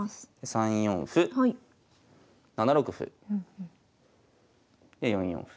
３四歩７六歩。で４四歩。